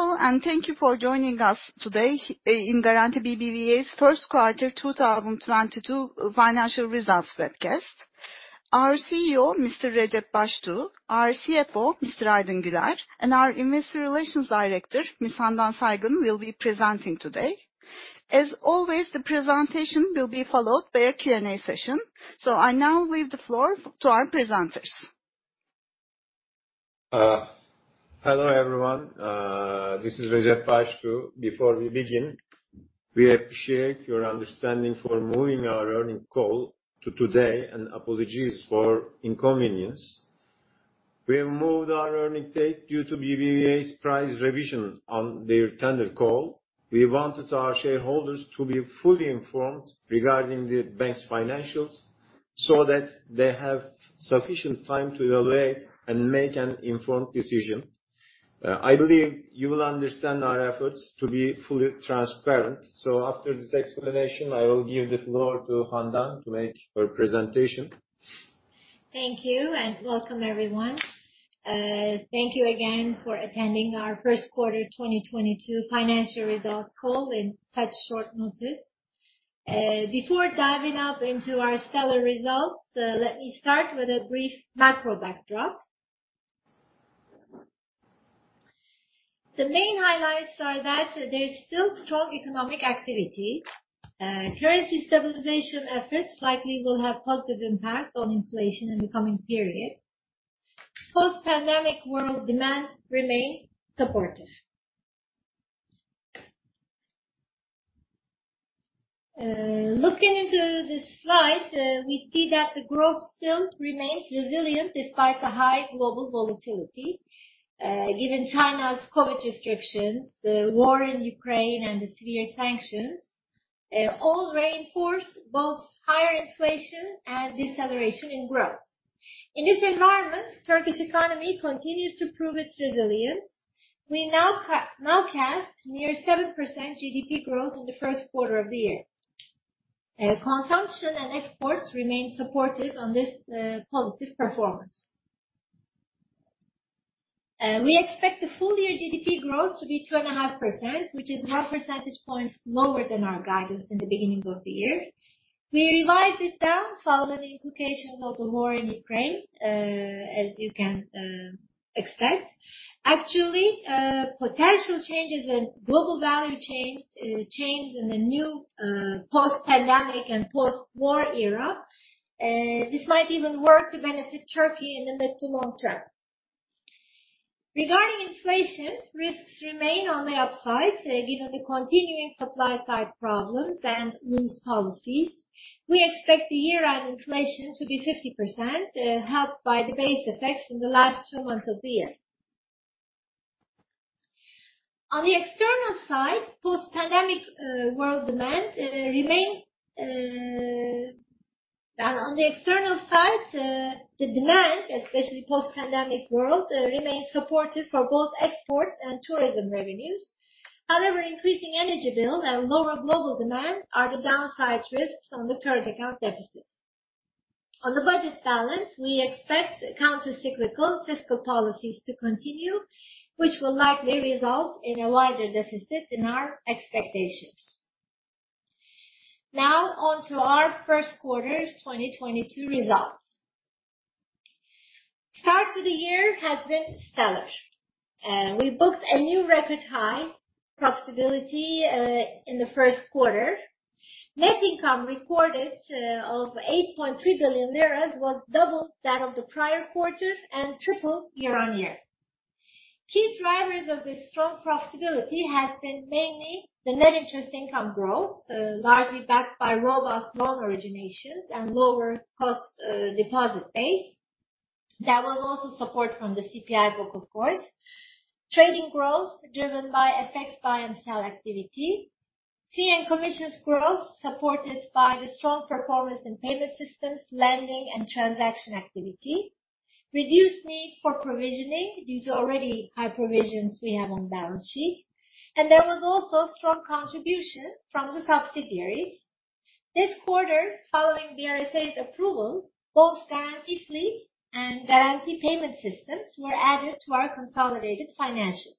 Hello, and thank you for joining us today in Garanti BBVA's 1st quarter 2022 financial results webcast. Our CEO, Mr. Recep Baştuğ, our CFO, Mr. Aydın Güler, and our Investor Relations Director, Ms. Handan Saygın, will be presenting today. As always, the presentation will be followed by a Q&A session. I now leave the floor to our presenters. Hello, everyone. This is Recep Baştuğ. Before we begin, we appreciate your understanding for moving our earnings call to today and apologies for inconvenience. We moved our earnings date due to BBVA's price revision on their tender call. We wanted our shareholders to be fully informed regarding the bank's financials so that they have sufficient time to evaluate and make an informed decision. I believe you will understand our efforts to be fully transparent. After this explanation, I will give the floor to Handan to make her presentation. Thank you and welcome, everyone. Thank you again for attending our 1st quarter 2022 financial results call in such short notice. Before diving into our stellar results, let me start with a brief macro backdrop. The main highlights are that there's still strong economic activity. Currency stabilization efforts likely will have positive impact on inflation in the coming period. Post-pandemic world demand remain supportive. Looking into this slide, we see that the growth still remains resilient despite the high global volatility. Given China's COVID restrictions, the war in Ukraine and the severe sanctions, all reinforce both higher inflation and deceleration in growth. In this environment, Turkish economy continues to prove its resilience. We now cast near 7% GDP growth in the 1st quarter of the year. Consumption and exports remain supported on this positive performance. We expect the full-year GDP growth to be 2.5%, which is one percentage points lower than our guidance in the beginning of the year. We revised it down following the implications of the war in Ukraine, as you can expect. Actually, potential changes in global value chains, change in the new post-pandemic and post-war era, this might even work to benefit Turkey in the mid- to long-term. Regarding inflation, risks remain on the upside, given the continuing supply side problems and loose policies. We expect the year-end inflation to be 50%, helped by the base effects in the last 2 months of the year. On the external side, the demand, especially post-pandemic world, remains supportive for both exports and tourism revenues. However, increasing energy bill and lower global demand are the downside risks on the current account deficits. On the budget balance, we expect countercyclical fiscal policies to continue, which will likely result in a wider deficit in our expectations. Now on to our 1st quarter 2022 results. Start to the year has been stellar. We booked a new record high profitability in the 1st quarter. Net income recorded of 8.3 billion lira was double that of the prior quarter and triple year-on-year. Key drivers of this strong profitability has been mainly the net interest income growth, largely backed by robust loan originations and lower cost deposit base. There was also support from the CPI book, of course. Trading growth driven by FX buy and sell activity. Fee and commissions growth supported by the strong performance in payment systems, lending and transaction activity. Reduced need for provisioning due to already high provisions we have on balance sheet. There was also strong contribution from the subsidiaries. This quarter, following BRSA's approval, both Garanti BBVA Fleet and Garanti BBVA Payment Systems were added to our consolidated financials.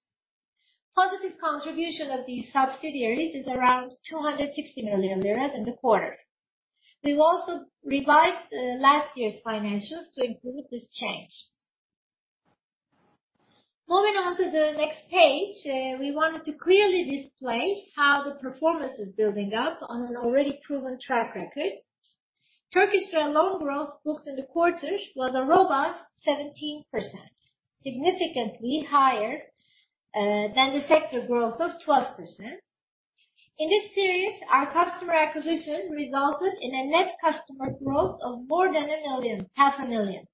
Positive contribution of these subsidiaries is around 260 million lira in the quarter. We've also revised last year's financials to include this change. Moving on to the next page, we wanted to clearly display how the performance is building up on an already proven track record. Turkish lira loan growth booked in the quarter was a robust 17%, significantly higher than the sector growth of 12%. In this series, our customer acquisition resulted in a net customer growth of more than 1 million, half a million,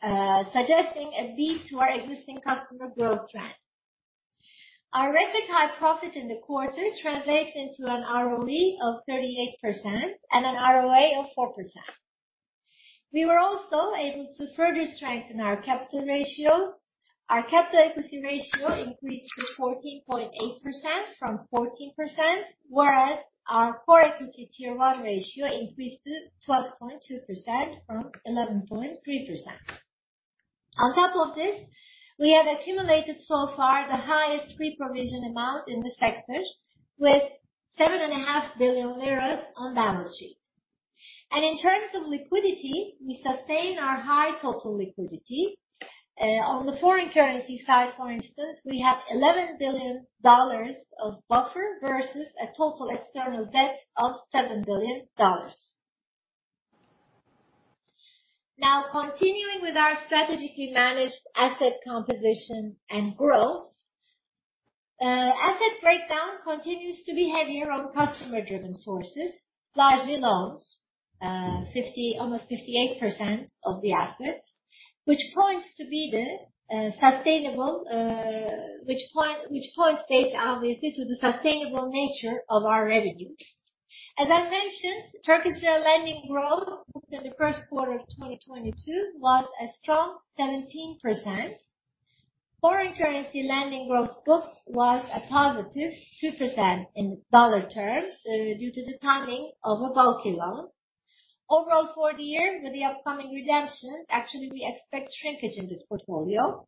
suggesting a beat to our existing customer growth trend. Our record high profit in the quarter translates into an ROE of 38% and an ROA of 4%. We were also able to further strengthen our capital ratios. Our capital adequacy ratio increased to 14.8% from 14%, whereas our core equity tier one ratio increased to 12.2% from 11.3%. On top of this, we have accumulated so far the highest pre-provision amount in the sector with seven and a half billion TRY on balance sheet. In terms of liquidity, we sustain our high total liquidity. On the foreign currency side, for instance, we have $11 billion of buffer versus a total external debt of $7 billion. Now continuing with our strategically managed asset composition and growth. Asset breakdown continues to be heavier on customer-driven sources, largely loans, fifty... Almost 58% of the assets, which points, based obviously, to the sustainable nature of our revenues. As I mentioned, Turkish lira lending growth within the 1st quarter of 2022 was a strong 17%. Foreign currency lending growth booked was a positive 2% in dollar terms, due to the timing of a bulky loan. Overall, for the year with the upcoming redemptions, actually we expect shrinkage in this portfolio.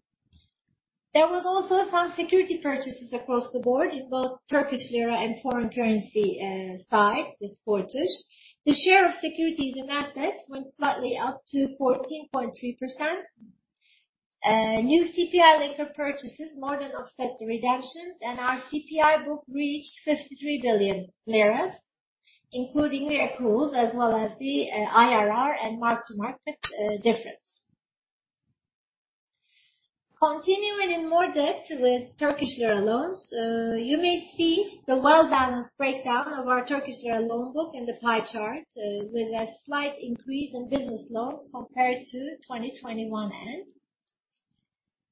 There was also some securities purchases across the board in both Turkish lira and foreign currency sides this quarter. The share of securities and assets went slightly up to 14.3%. New CPI-linked purchases more than offset the redemptions, and our CPI book reached 53 billion lira, including the accruals as well as the IRR and mark-to-market difference. Continuing in more depth with Turkish lira loans, you may see the well-balanced breakdown of our Turkish lira loan book in the pie chart, with a slight increase in business loans compared to 2021 end.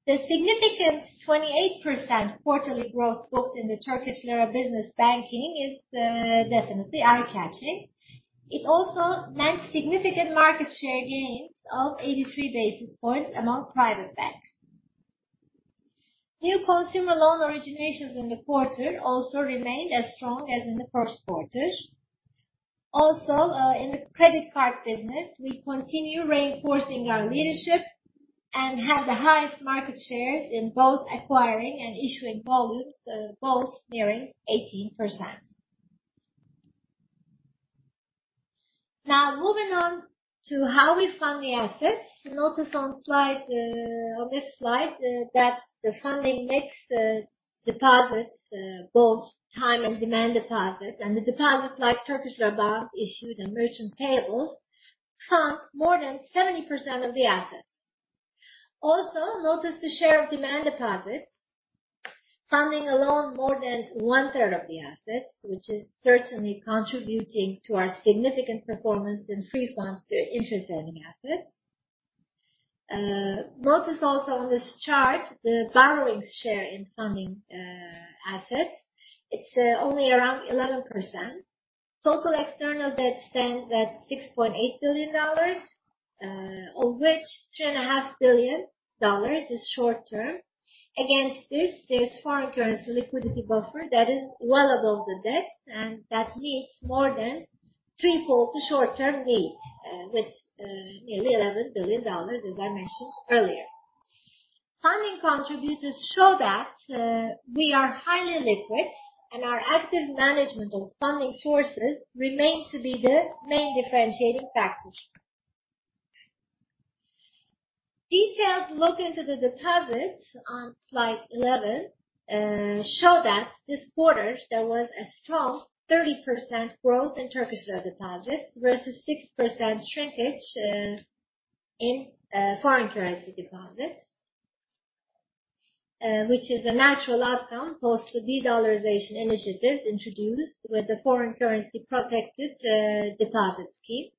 The significant 28% quarterly growth booked in the Turkish lira business banking is definitely eye-catching. It also meant significant market share gains of 83 basis points among private banks. New consumer loan originations in the quarter also remained as strong as in the 1st quarter. Also, in the credit card business, we continue reinforcing our leadership and have the highest market shares in both acquiring and issuing volumes, both nearing 18%. Now moving on to how we fund the assets. You notice on this slide that the funding mix, deposits, both time and demand deposits and the deposit like Turkish lira bonds issued and merchant payable, fund more than 70% of the assets. Also, notice the share of demand deposits funding alone more than one-third of the assets, which is certainly contributing to our significant performance in free funds to interest-earning assets. Notice also on this chart, the borrowing share in funding assets. It's only around 11%. Total external debt stands at $6.8 billion, of which $3.5 billion is short term. Against this, there's foreign currency liquidity buffer that is well above the debt, and that meets more than threefold the short-term need, with nearly $11 billion, as I mentioned earlier. Funding contributors show that we are highly liquid, and our active management of funding sources remains to be the main differentiating factor. Detailed look into the deposits on slide 11 show that this quarter there was a strong 30% growth in Turkish lira deposits versus 6% shrinkage in foreign currency deposits, which is a natural outcome post the de-dollarization initiatives introduced with the FX-protected deposit scheme.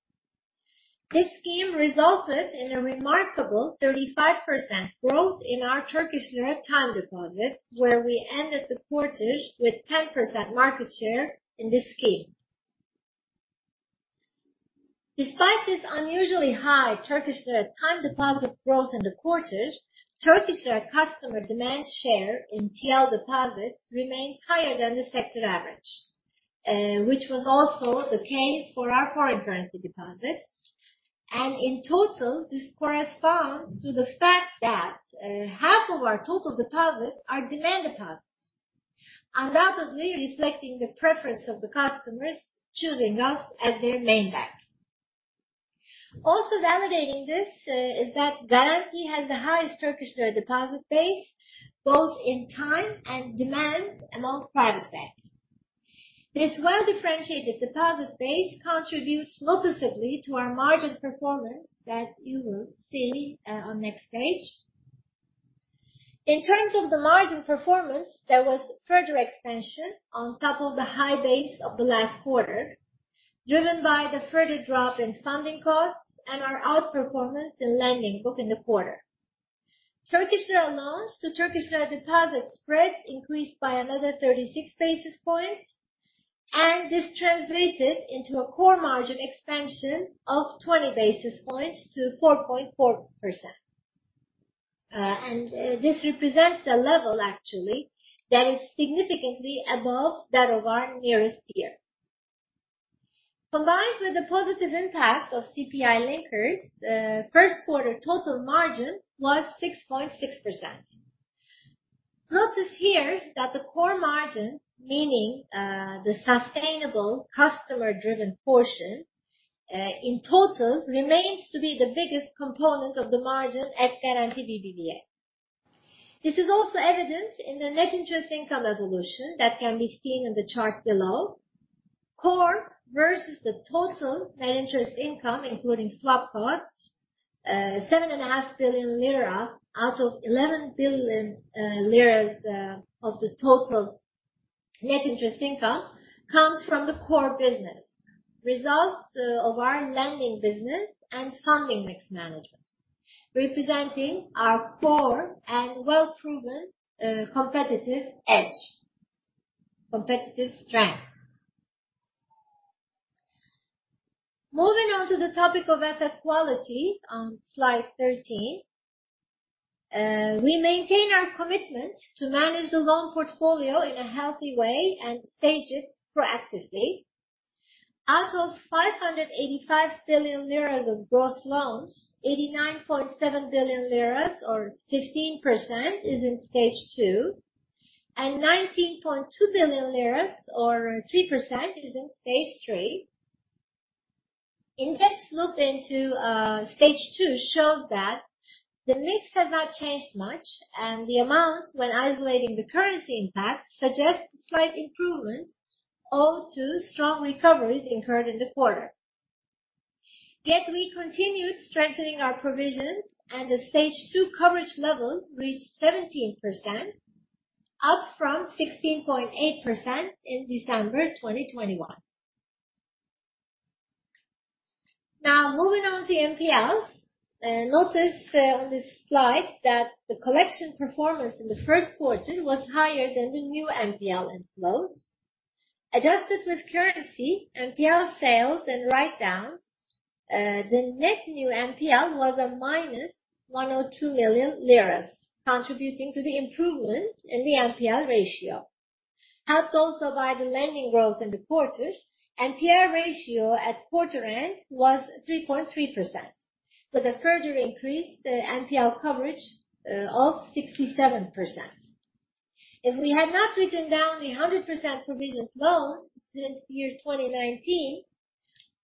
This scheme resulted in a remarkable 35% growth in our Turkish lira time deposits, where we ended the quarter with 10% market share in this scheme. Despite this unusually high Turkish lira time deposit growth in the quarter, Turkish lira customer demand share in TL deposits remained higher than the sector average, which was also the case for our foreign currency deposits. In total, this corresponds to the fact that half of our total deposits are demand deposits, undoubtedly reflecting the preference of the customers choosing us as their main bank. Also validating this is that Garanti has the highest Turkish lira deposit base, both in time and demand among private banks. This well-differentiated deposit base contributes noticeably to our margin performance that you will see on next page. In terms of the margin performance, there was further expansion on top of the high base of the last quarter, driven by the further drop in funding costs and our outperformance in lending book in the quarter. Turkish lira loans to Turkish lira deposit spreads increased by another 36 basis points, and this translated into a core margin expansion of 20 basis points to 4.4%. This represents a level actually that is significantly above that of our nearest peer. Combined with the positive impact of CPI linkers, 1st quarter total margin was 6.6%. Notice here that the core margin, meaning the sustainable customer-driven portion, in total remains to be the biggest component of the margin at Garanti BBVA. This is also evidenced in the net interest income evolution that can be seen in the chart below. Core versus the total net interest income, including swap costs, 7.5 billion lira out of 11 billion lira of the total net interest income comes from the core business. Results of our lending business and funding mix management, representing our core and well-proven competitive edge, competitive strength. Moving on to the topic of asset quality on Slide 13. We maintain our commitment to manage the loan portfolio in a healthy way and stage it proactively. Out of 585 billion lira of gross loans, 89.7 billion lira or 15% is in Stage 2, and 19.2 billion lira or 3% is in Stage 3. In-depth look into Stage 2 shows that the mix has not changed much, and the amount when isolating the currency impact suggests slight improvement owed to strong recoveries incurred in the quarter. Yet we continued strengthening our provisions and the Stage 2 coverage level reached 17%, up from 16.8% in December 2021. Now moving on to NPLs. Notice on this slide that the collection performance in the 1st quarter was higher than the new NPL inflows. Adjusted with currency, NPL sales and write-downs, the net new NPL was -102 million lira, contributing to the improvement in the NPL ratio. Helped also by the lending growth in the quarter, NPL ratio at quarter end was 3.3% with a further increase in the NPL coverage of 67%. If we had not written down the 100% provision loans since 2019,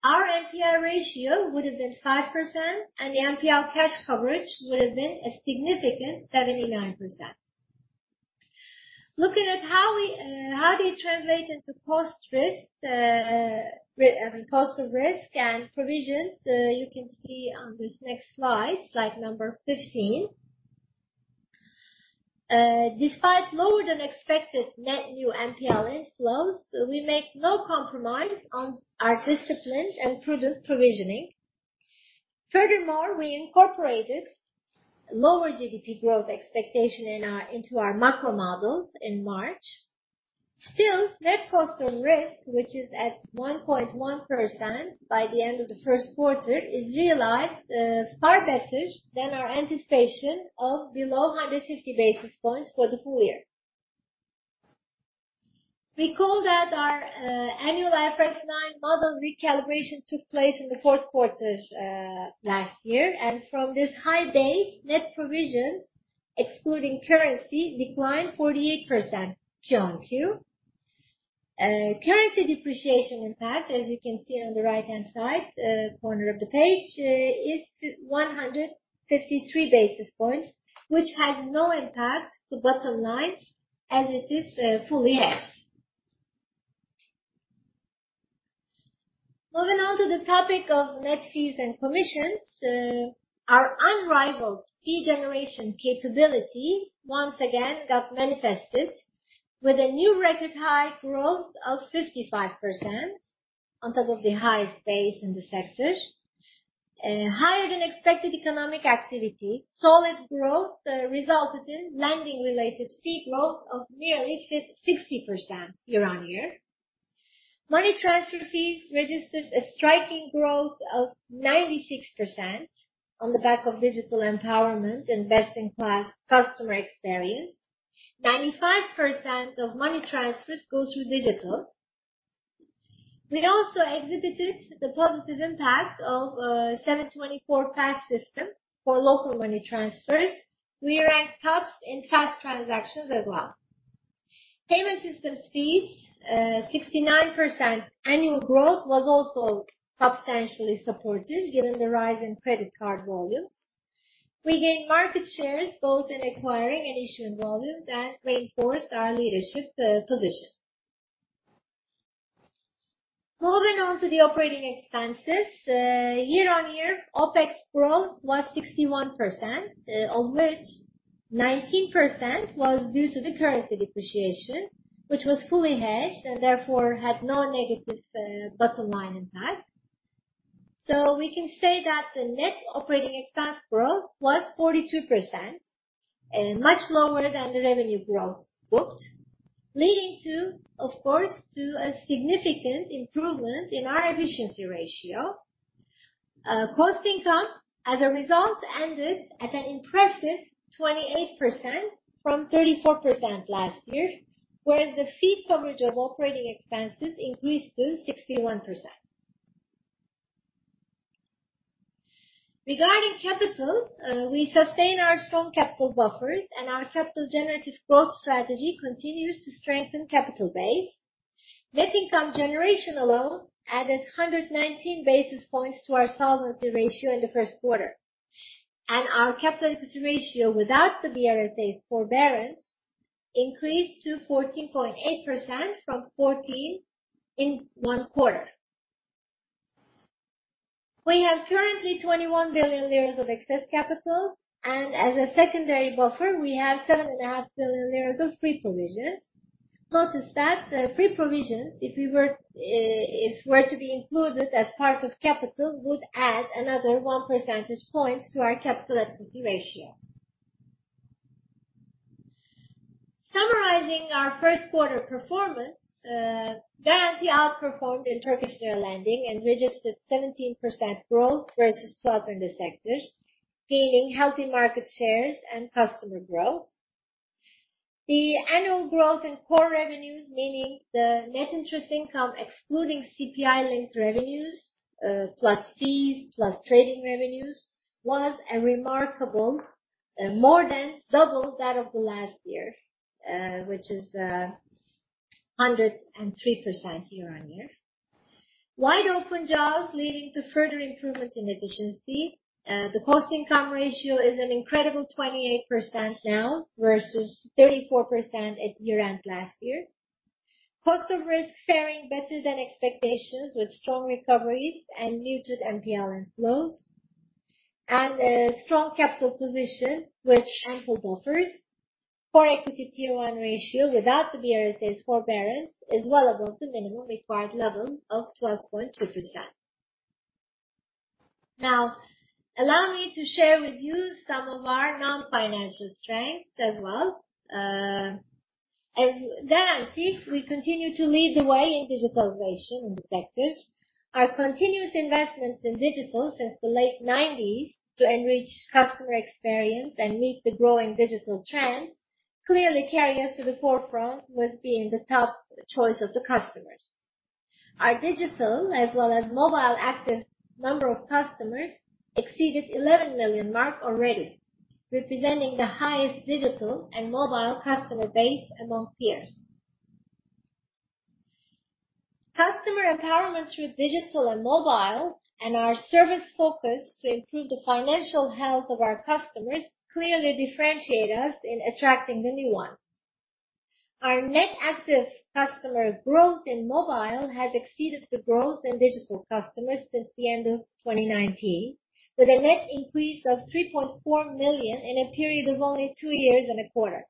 our NPL ratio would have been 5% and the NPL cash coverage would have been a significant 79%. Looking at how we, how they translate into cost of risk, I mean, cost of risk and provisions, you can see on this next slide 15. Despite lower than expected net new NPL inflows, we make no compromise on our disciplined and prudent provisioning. Furthermore, we incorporated lower GDP growth expectation into our macro model in March. Still, net cost of risk, which is at 1.1% by the end of the 1st quarter, it realized far better than our anticipation of below 150 basis points for the full year. Recall that our annual IFRS 9 model recalibration took place in the 4th quarter last year. From this high base, net provisions excluding currency declined 48% Q-on-Q. Currency depreciation impact, as you can see on the right-hand side corner of the page, is 153 basis points, which has no impact to bottom line as it is fully hedged. Moving on to the topic of net fees and commissions. Our unrivaled fee generation capability once again got manifested with a new record high growth of 55% on top of the highest base in the sector. Higher than expected economic activity and solid growth resulted in lending-related fee growth of nearly 60% year-on-year. Money transfer fees registered a striking growth of 96% on the back of digital empowerment and best-in-class customer experience. 95% of money transfers go through digital. We also exhibited the positive impact of 7/24 FAST system for local money transfers. We ranked top in FAST transactions as well. Payment systems fees 69% annual growth was also substantially supported given the rise in credit card volumes. We gained market shares both in acquiring and issuing volumes and reinforced our leadership position. Moving on to the operating expenses. Year on year, OpEx growth was 61%, of which 19% was due to the currency depreciation, which was fully hedged and therefore had no negative bottom line impact. We can say that the net operating expense growth was 42%. Much lower than the revenue growth booked, leading to, of course, a significant improvement in our efficiency ratio. Cost/income as a result ended at an impressive 28% from 34% last year, whereas the fee coverage of operating expenses increased to 61%. Regarding capital, we sustain our strong capital buffers and our capital-generative growth strategy continues to strengthen capital base. Net income generation alone added 119 basis points to our solvency ratio in the 1st quarter. Our capital equity ratio without the BRSA's forbearance increased to 14.8% from 14% in one quarter. We have currently 21 billion of excess capital. As a secondary buffer, we have 7.5 billion of free provisions. Notice that free provisions, if we were to be included as part of capital, would add another 1 percentage point to our capital equity ratio. Summarizing our 1st quarter performance, Garanti outperformed in Turkish lira lending and registered 17% growth versus 12% in the sectors, gaining healthy market shares and customer growth. The annual growth in core revenues, meaning the net interest income excluding CPI-linked revenues, plus fees, plus trading revenues, was a remarkable more than double that of the last year, which is 103% year on year. Wide open JAWS leading to further improvements in efficiency. The cost income ratio is an incredible 28% now versus 34% at year-end last year. Cost of risk faring better than expectations with strong recoveries and muted NPL inflows. A strong capital position with ample buffers. Core Equity Tier 1 ratio without the BRSA's forbearance is well above the minimum required level of 12.2%. Now, allow me to share with you some of our non-financial strengths as well. As Garanti, we continue to lead the way in digitalization in the sectors. Our continuous investments in digital since the late nineties to enrich customer experience and meet the growing digital trends clearly carry us to the forefront with being the top choice of the customers. Our digital as well as mobile active number of customers exceeded 11 million mark already. Representing the highest digital and mobile customer base among peers. Customer empowerment through digital and mobile and our service focus to improve the financial health of our customers clearly differentiate us in attracting the new ones. Our net active customer growth in mobile has exceeded the growth in digital customers since the end of 2019, with a net increase of 3.4 million in a period of only 2 years and a quarter.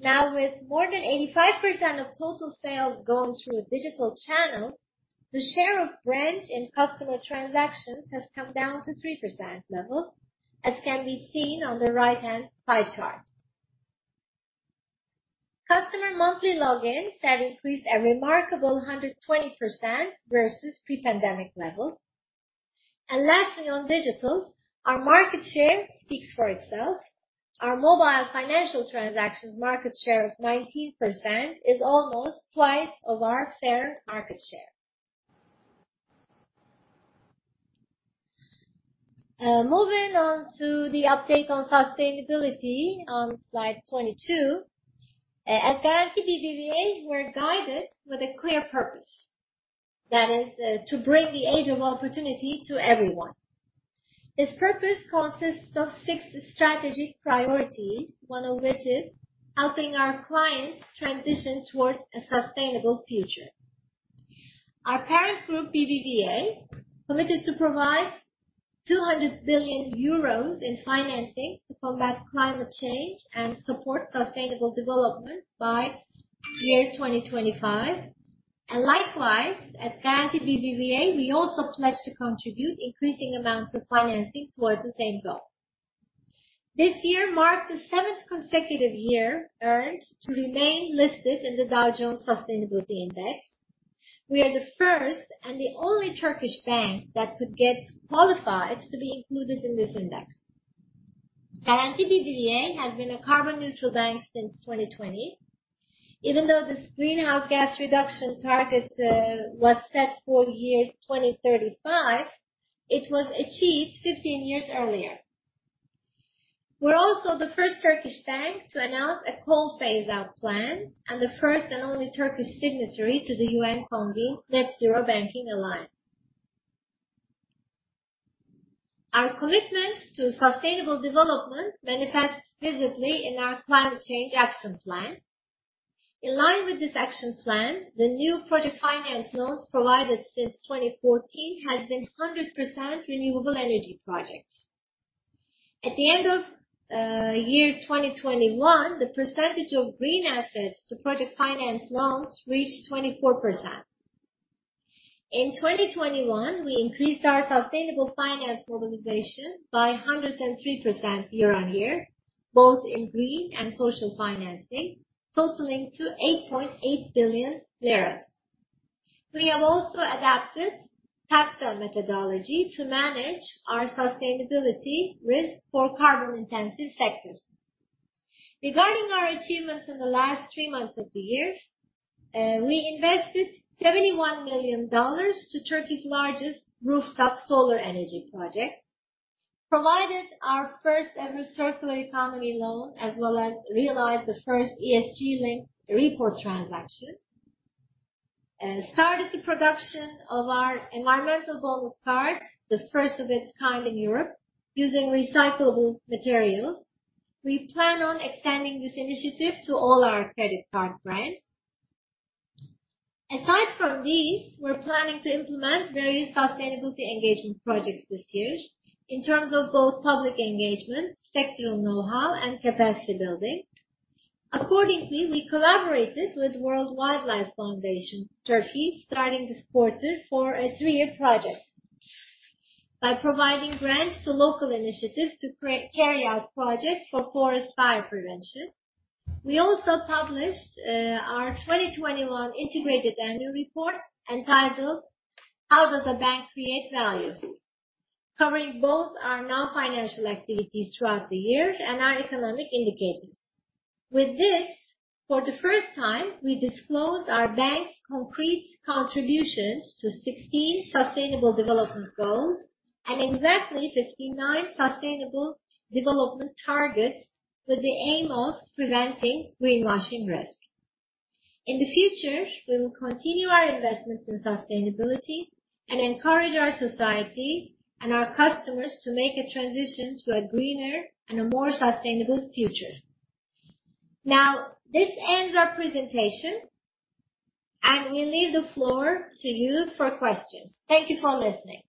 Now, with more than 85% of total sales going through a digital channel, the share of branch in customer transactions has come down to 3% level, as can be seen on the right-hand pie chart. Customer monthly logins have increased a remarkable 120% versus pre-pandemic level. Lastly, on digital, our market share speaks for itself. Our mobile financial transactions market share of 19% is almost twice of our third market share. Moving on to the update on sustainability on Slide 22. At Garanti BBVA, we're guided with a clear purpose. That is to bring the age of opportunity to everyone. This purpose consists of 6 strategic priorities, one of which is helping our clients transition towards a sustainable future. Our parent group, BBVA, committed to provide 200 billion euros in financing to combat climate change and support sustainable development by year 2025. Likewise, at Garanti BBVA, we also pledge to contribute increasing amounts of financing towards the same goal. This year marked the seventh consecutive year earned to remain listed in the Dow Jones Sustainability Index. We are the first and the only Turkish bank that could get qualified to be included in this index. Garanti BBVA has been a carbon neutral bank since 2020. Even though this greenhouse gas reduction target was set for year 2035, it was achieved 15 years earlier. We're also the first Turkish bank to announce a coal phase out plan and the first and only Turkish signatory to the UN-convened Net-Zero Banking Alliance. Our commitment to sustainable development manifests visibly in our climate change action plan. In line with this action plan, the new project finance loans provided since 2014 have been 100% renewable energy projects. At the end of year 2021, the percentage of green assets to project finance loans reached 24%. In 2021, we increased our sustainable finance mobilization by 103% year-on-year. Both in green and social financing, totaling to 8.8 billion lira. We have also adapted TCFD methodology to manage our sustainability risk for carbon-intensive sectors. Regarding our achievements in the last 3 months of the year, we invested $71 million to Turkey's largest rooftop solar energy project, provided our first-ever circular economy loan, as well as realized the first ESG-linked repo transaction. We started the production of our Environmentally Friendly Bonus card, the first of its kind in Europe, using recyclable materials. We plan on extending this initiative to all our credit card brands. Aside from these, we're planning to implement various sustainability engagement projects this year in terms of both public engagement, sectoral know-how, and capacity building. Accordingly, we collaborated with WWF Turkey, starting this quarter for a 3 year project, by providing grants to local initiatives to carry out projects for forest fire prevention. We also published our 2021 integrated annual report entitled How Does a Bank Create Value? Covering both our non-financial activities throughout the years and our economic indicators. With this, for the first time, we disclosed our bank's concrete contributions to 16 sustainable development goals and exactly 59 sustainable development targets with the aim of preventing greenwashing risk. In the future, we will continue our investments in sustainability and encourage our society and our customers to make a transition to a greener and a more sustainable future. Now, this ends our presentation, and we leave the floor to you for questions. Thank you for listening.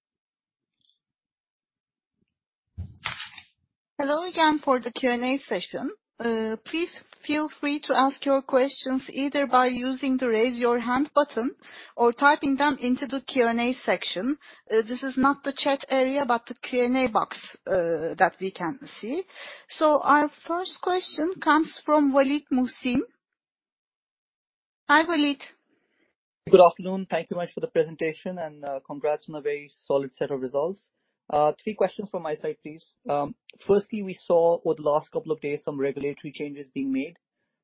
Hello again for the Q&A session. Please feel free to ask your questions either by using the Raise Your Hand button or typing them into the Q&A section. This is not the chat area, but the Q&A box that we can see. Our first question comes from Waleed Mohsin. Hi, Waleed. Good afternoon. Thank you much for the presentation, and, congrats on a very solid set of results. 3 questions from my side, please. Firstly, we saw over the last couple of days some regulatory changes being made,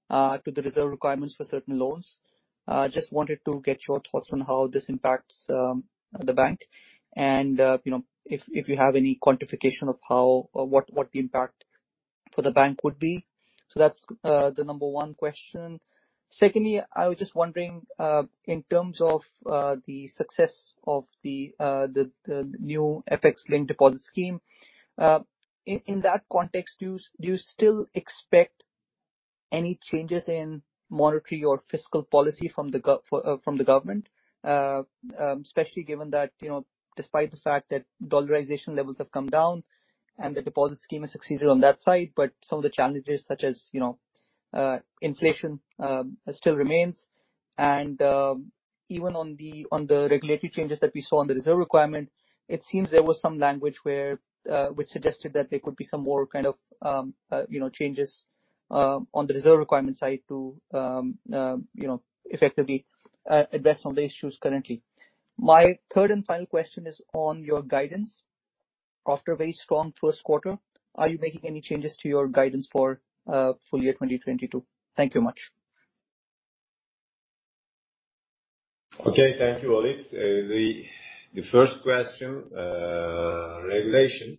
to the reserve requirements for certain loans. Just wanted to get your thoughts on how this impacts the bank and, you know, if you have any quantification of how or what the impact for the bank would be. That's the number one question. Secondly, I was just wondering, in terms of the success of the new FX-protected deposit scheme, in that context, do you still expect any changes in monetary or fiscal policy from the government? Especially given that, you know, despite the fact that dollarization levels have come down and the deposit scheme has succeeded on that side, but some of the challenges such as, you know, inflation still remains. Even on the regulatory changes that we saw on the reserve requirement, it seems there was some language where which suggested that there could be some more kind of, you know, changes on the reserve requirement side to, you know, effectively address some of the issues currently. My third and final question is on your guidance. After a very strong 1st quarter, are you making any changes to your guidance for full year 2022? Thank you much. Okay. Thank you, Waleed. The first question, regulation.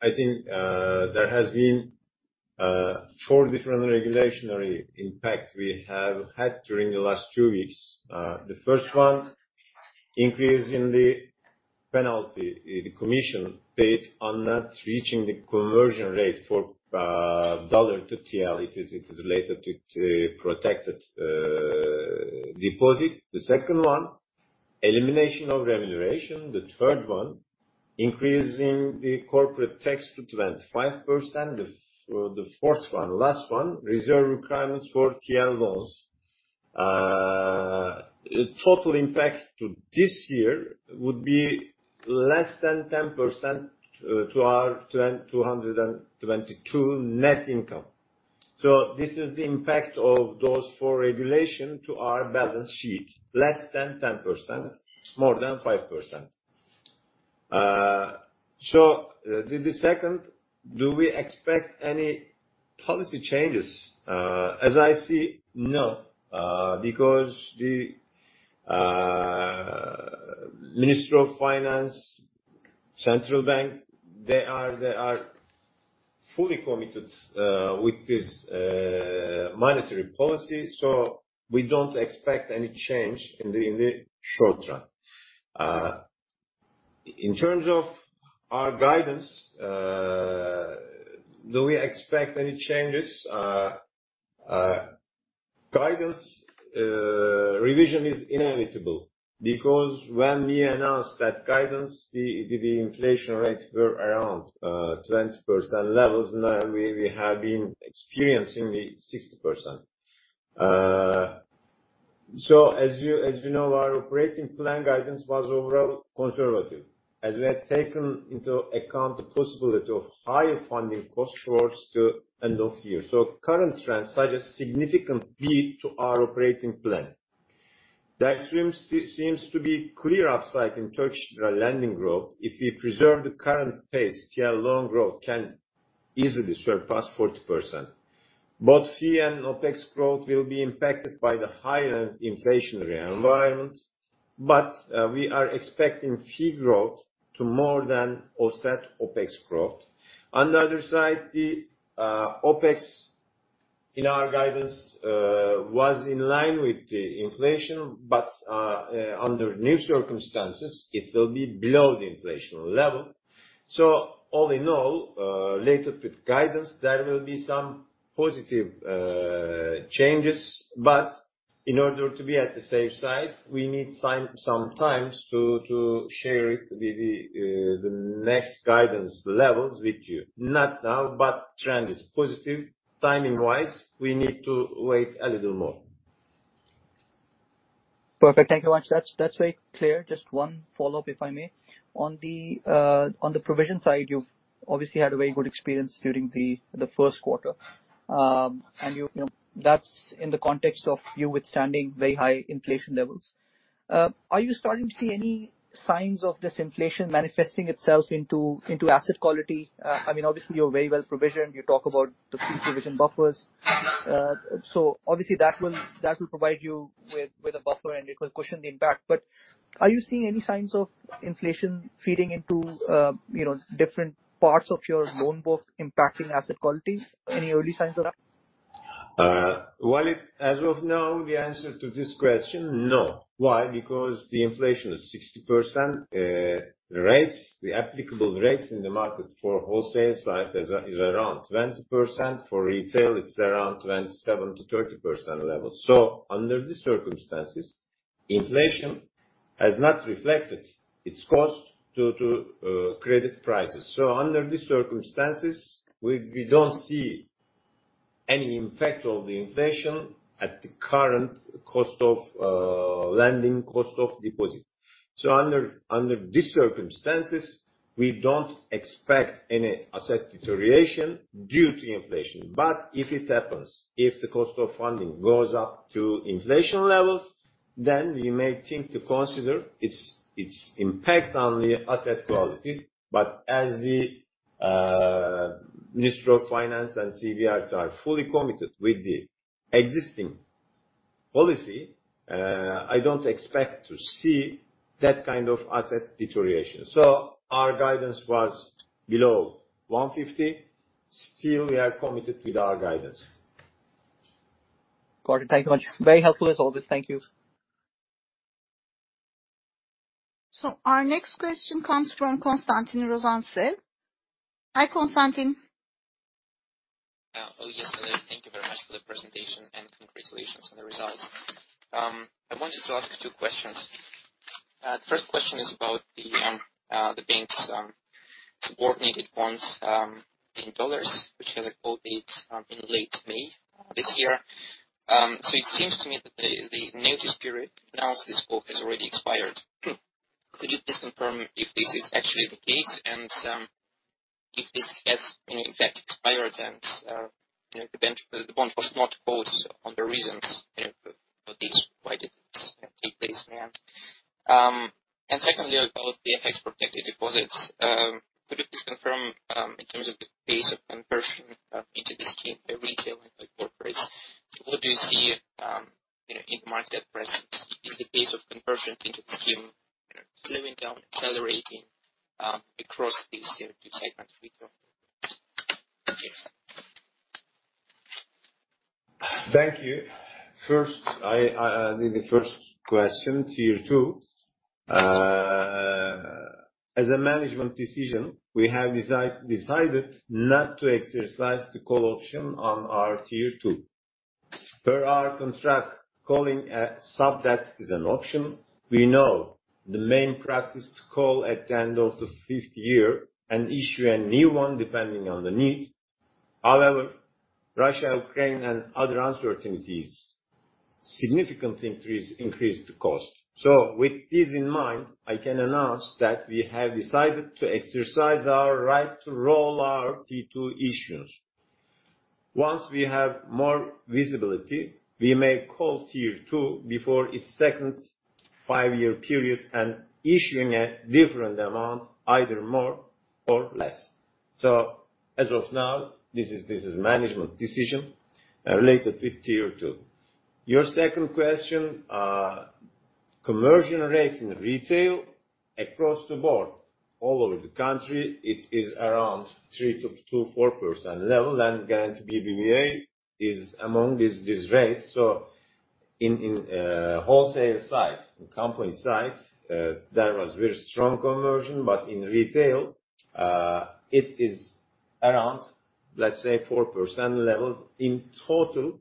I think there has been 4 different regulatory impact we have had during the last 2 weeks. The first one, increase in the penalty, the commission paid on not reaching the conversion rate for dollar to TL. It is related to protected deposit. The second one, elimination of remuneration. The third one, increasing the corporate tax to 25%. The fourth one, last one, reserve requirements for TL loans. Total impact to this year would be less than 10% to our 2022 net income. So this is the impact of those four regulation to our balance sheet, less than 10%. It's more than 5%. So the second, do we expect any policy changes? As I see, no. Because the Ministry of Finance, central bank, they are fully committed with this monetary policy. We don't expect any change in the short term. In terms of our guidance, do we expect any changes? Guidance revision is inevitable because when we announced that guidance, the inflation rates were around 20% levels. Now we have been experiencing the 60%. As you know, our operating plan guidance was overall conservative, as we have taken into account the possibility of higher funding cost for us to end of year. Current trends are just significant fit to our operating plan. There seems to be clear upside in Turkish lending growth. If we preserve the current pace, TL loan growth can easily surpass 40%. Both fee and OpEx growth will be impacted by the higher inflationary environment, but we are expecting fee growth to more than offset OpEx growth. On the other side, the OpEx in our guidance was in line with the inflation, but under new circumstances it will be below the inflation level. All in all, related with guidance, there will be some positive changes. In order to be on the safe side, we need some time to share the next guidance levels with you. Not now, but trend is positive. Timing wise, we need to wait a little more. Perfect. Thank you much. That's very clear. Just one follow-up, if I may. On the provision side, you've obviously had a very good experience during the 1st quarter. And you know, that's in the context of you withstanding very high inflation levels. Are you starting to see any signs of this inflation manifesting itself into asset quality? I mean, obviously you're very well provisioned. You talk about the free provision buffers. So obviously that will provide you with a buffer and it will cushion the impact. But are you seeing any signs of inflation feeding into you know, different parts of your loan book impacting asset quality? Any early signs of that? Well, as of now, the answer to this question is no. Why? Because the inflation is 60%, the applicable rates in the market for wholesale side is around 20%. For retail it's around 27%-30% level. Under the circumstances, inflation has not reflected its cost due to credit prices. Under these circumstances, we don't see any impact of the inflation at the current cost of lending, cost of deposit. Under these circumstances, we don't expect any asset deterioration due to inflation. If it happens, if the cost of funding goes up to inflation levels, then we may think to consider its impact on the asset quality. As the Ministry of Finance and CBRT are fully committed with the existing policy, I don't expect to see that kind of asset deterioration. Our guidance was below 150. Still we are committed with our guidance. Got it. Thank you much. Very helpful as always. Thank you. Our next question comes from Konstantin Rozantsev. Hi, Konstantin. Yes. Thank you very much for the presentation and congratulations on the results. I wanted to ask two questions. The first question is about the bank's subordinated bonds in dollars, which has a call date in late May this year. It seems to me that the notice period to announce this call has already expired. Could you please confirm if this is actually the case and if this has in effect expired and you know the bank the bond was not called on the reasons for this, why did this take place in the end? And secondly, about the FX-protected deposits. Could you please confirm, in terms of the pace of conversion, into this scheme by retail and by corporates, what do you see, you know, in the market at present? Is the pace of conversion into this scheme, you know, slowing down, accelerating, across these, 2 segments, retail and corporate? Yes. Thank you. First, the first question, Tier 2. As a management decision, we have decided not to exercise the call option on our Tier 2. Per our contract, calling a sub debt is an option. We know the main practice to call at the end of the fifth year and issue a new one depending on the need. However, Russia, Ukraine and other uncertainties significantly increased the cost. With this in mind, I can announce that we have decided to exercise our right to roll our T2 issues. Once we have more visibility, we may call Tier 2 before its second 5 year period and issuing a different amount, either more or less. As of now, this is management decision related with Tier 2. Your second question, conversion rates in retail across the board all over the country it is around 3%-4% level, and Garanti BBVA is among these rates. In wholesale sides, in company sides, there was very strong conversion. In retail, it is around, let's say 4% level in total.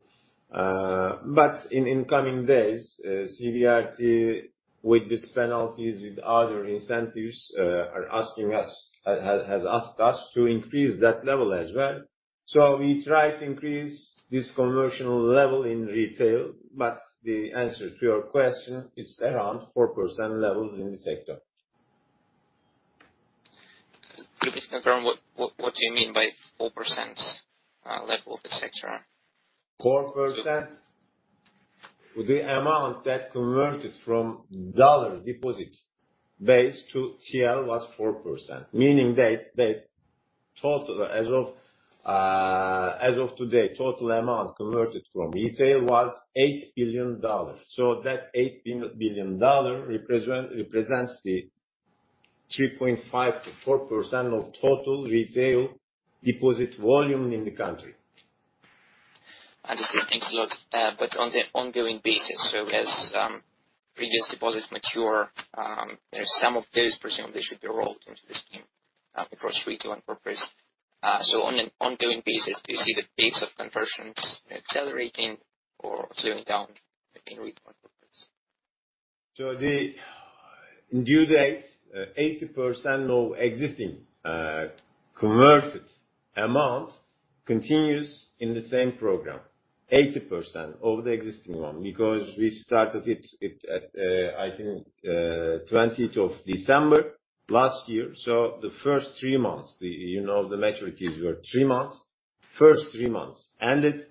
In coming days, CBRT with these penalties, with other incentives, has asked us to increase that level as well. We try to increase this conversion level in retail, the answer to your question is around 4% levels in the sector. Could you confirm what do you mean by 4% level of the sector? 4%. The amount that converted from dollar deposit base to TL was 4%. Meaning that the total as of today, total amount converted from retail was $8 billion. That $8 billion represents the 3.5%-4% of total retail deposit volume in the country. Understood. Thanks a lot. On the ongoing basis, so as previous deposits mature, you know, some of those presumably should be rolled into the scheme, across retail and corporate. On an ongoing basis, do you see the pace of conversions accelerating or slowing down in retail and corporate? The due date, 80% of existing converted amount continues in the same program. 80% of the existing one, because we started it at, I think, 20th of December last year. The first 3 months, you know, the metric is our 3 months. First 3 months. The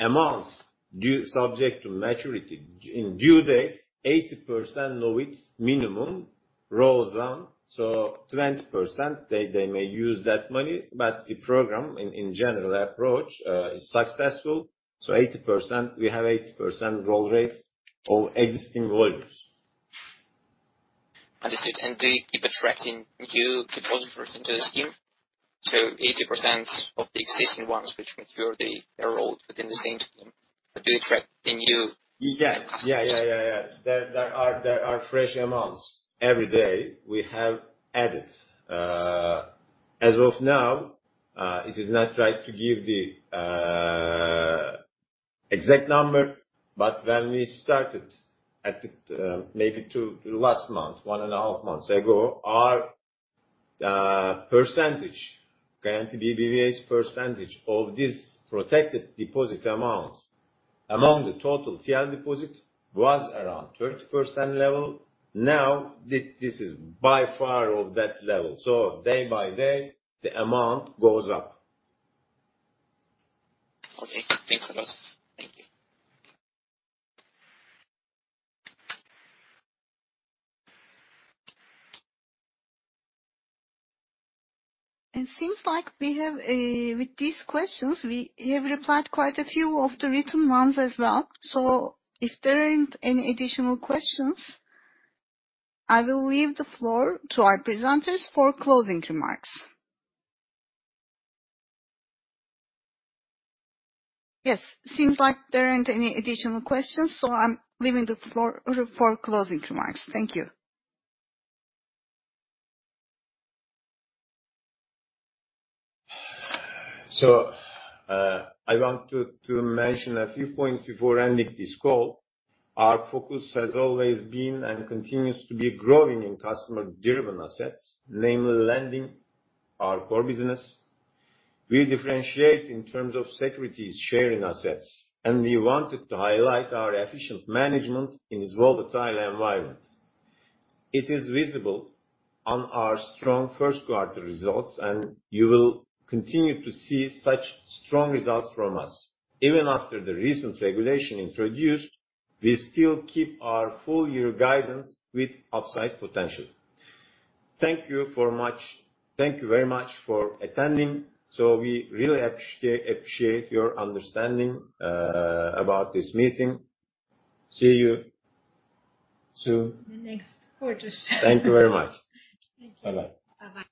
amounts due subject to maturity. On due date, 80% of it minimum rolls down. 20%, they may use that money, but the program in general approach is successful. 80%, we have 80% roll rate of existing volumes. Understood. Do you keep attracting new depositors into the scheme? 80% of the existing ones which mature, they're rolled within the same scheme. Do you attract the new- Yes. Yeah. There are fresh amounts every day we have added. As of now, it is not right to give the exact number, but when we started last month, one and a half months ago, our percentage, Garanti BBVA's percentage of this protected deposit amounts among the total TL deposit was around 30% level. Now, this is by far above that level. Day by day, the amount goes up. Okay, thanks a lot. Thank you. It seems like we have, with these questions, we have replied quite a few of the written ones as well. If there aren't any additional questions, I will leave the floor to our presenters for closing remarks. Yes. Seems like there aren't any additional questions, I'm leaving the floor for closing remarks. Thank you. I want to mention a few points before ending this call. Our focus has always been and continues to be growing in customer-driven assets, namely lending, our core business. We differentiate in terms of securities sharing assets, and we wanted to highlight our efficient management in this volatile environment. It is visible on our strong 1st quarter results, and you will continue to see such strong results from us. Even after the recent regulation introduced, we still keep our full year guidance with upside potential. Thank you so much. Thank you very much for attending. We really appreciate your understanding about this meeting. See you soon. In the next quarters. Thank you very much. Thank you. Bye-bye. Bye-bye.